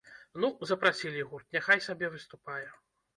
Ну, запрасілі гурт, няхай сабе выступае.